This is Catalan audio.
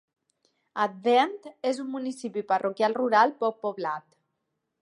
Advent és un municipi parroquial rural poc poblat.